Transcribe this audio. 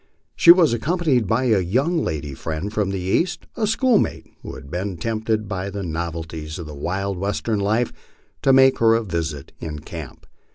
She was accom panied by a young lady friend from the East, a schoolmate, who had been tempted by the novelties of wild Western life to make her a visit in camp.